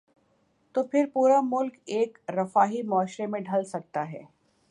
تو پھر پورا ملک ایک رفاہی معاشرے میں ڈھل سکتا ہے۔